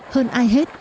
hơn ai hết